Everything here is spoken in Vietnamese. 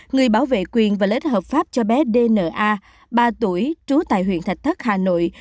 người bảo vệ quyền và lợi ích hợp pháp cho bé dna ba tuổi trú tại huyện thạch thất hà nội